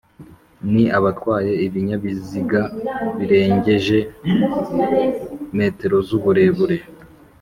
ni Abatwaye Ibinyabiziga birengeje m z’uburebure